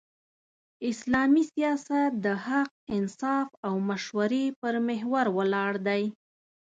اسلامي سیاست د حق، انصاف او مشورې پر محور ولاړ دی.